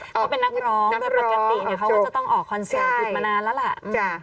เขาเป็นนักร้องแบบปกติเนี่ยเขาว่าจะต้องออกคอนเซ็นต์ถูกมานานแล้วล่ะ